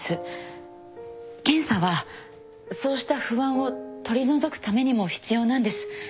検査はそうした不安を取り除くためにも必要なんです